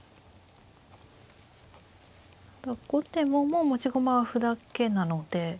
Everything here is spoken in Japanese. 後手ももう持ち駒は歩だけなので。